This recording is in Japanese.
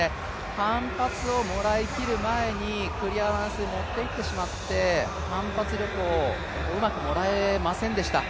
反発をもらいきる前にクリアランスに持っていってしまって、反発力をうまくもらえませんでした。